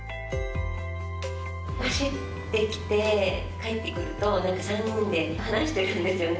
走ってきて、帰ってくると、なんか３人で話してるんですよね。